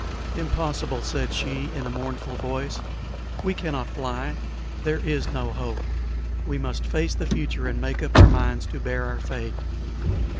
"Impossible!" said she, in a mournful voice. "We cannot fly. There is no hope. We must face the future, and make up our minds to bear our fate."